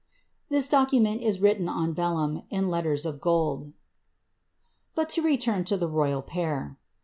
[This document is written on yellumi in letters of gold.] But to return to the royal pair.